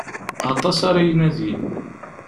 Aṭas ara inadin.